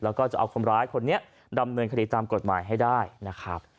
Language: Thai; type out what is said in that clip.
แล้วก็จะเอาคนร้ายคนนี้ดำเนินคดีตามกฎหมายให้ได้นะครับ